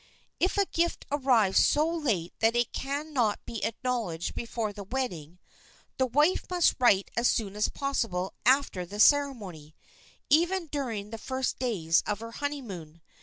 If a gift arrives so late that it can not be acknowledged before the wedding, the wife must write as soon as possible after the ceremony,—even during the first days of her honeymoon.